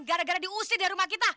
gara gara diusir di rumah kita